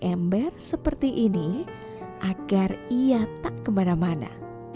dan member seperti ini agar ia tak kemana mana